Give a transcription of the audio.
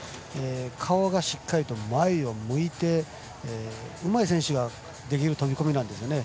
顔がしっかりと前を向いてうまい選手ができる飛び込みなんですよね。